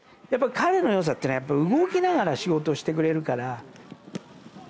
彼の良さって動きながら仕事してくれるから。